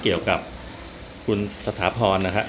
เกี่ยวกับคุณสถาพรนะครับ